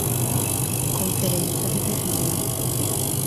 Conferenza di Berlino